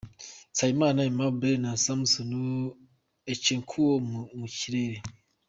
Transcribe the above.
Nsabimana Aimable na Samson Ikechukwu mu kirere.